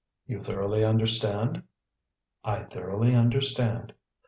You thoroughly understand?" "I thoroughly understand."